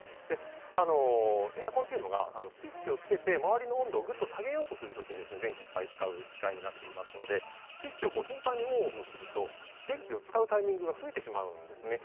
エアコンというのがスイッチをつけて周りの温度をぐっと下げようとするときに電気いっぱい使う機械になっていますのでスイッチを頻繁にオンオフすると電気を使うタイミングが増えてしまうんですね。